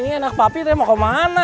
ini anak papi ini mau kemana